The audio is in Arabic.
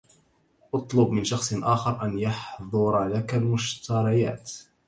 اطلب من شخص آخر أن يحضر لك المشتريات